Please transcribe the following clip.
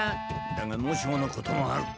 だがもしものこともある。